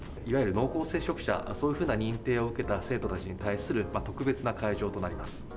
いわゆる濃厚接触者、そういうふうな認定を受けた生徒たちに対する特別な会場となります。